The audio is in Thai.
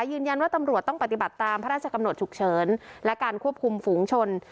ยืนยันว่าตำรวจต้องปฏิบัติตามพระราชกำหนดฉุกเฉินและการควบคุมฝูงชน